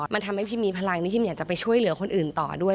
มันทำให้พิมมีพลังที่พิมอยากจะไปช่วยเหลือคนอื่นต่อด้วย